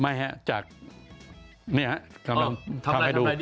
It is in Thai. ไม่ฮะจากนี่หรอทำให้ดู